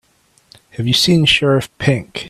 Have you seen Sheriff Pink?